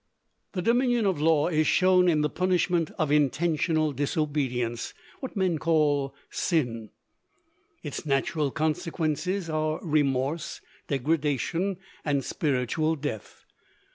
The dominion of law is shown in the punishment of intentional disobedience what men call sin. Its natural consequences are remorse, degradation, and spiritual death.